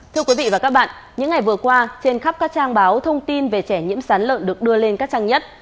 thưa quý vị và các bạn những ngày vừa qua trên khắp các trang báo thông tin về trẻ nhiễm sán lợn được đưa lên các trang nhất